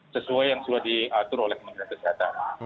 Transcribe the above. sesuai yang sudah diatur oleh kementerian kesehatan